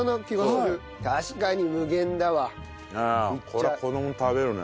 これは子ども食べるね。